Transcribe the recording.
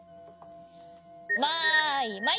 マイマイ！